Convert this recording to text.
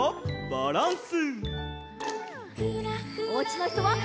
バランス。